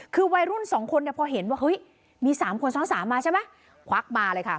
คือวัยรุ่น๒คนพอเห็นว่ามี๓คนซ้อน๓มาใช่ไหมควักมาเลยค่ะ